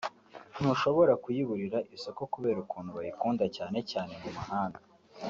ntushobora kuyiburira isoko kubera ukuntu bayikunda cyane cyane mu mahanga